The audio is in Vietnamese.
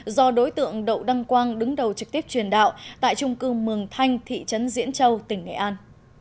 do đối tượng đậu đăng quang đứng đầu trực tiếp truyền đạo tại trung cư mường thanh thị trấn diễn châu tỉnh nghệ an